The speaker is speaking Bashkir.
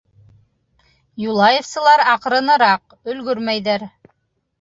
Юлаевсылар аҡрыныраҡ, өлгөрмәйҙәр.